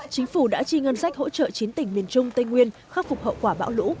chính phủ đã chi ngân sách hỗ trợ chín tỉnh miền trung tây nguyên khắc phục hậu quả bão lũ